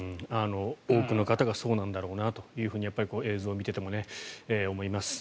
多くの方がそうなんだろうなと映像を見ていても思います。